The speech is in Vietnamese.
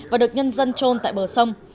và được nhân dân trôn tại bờ sông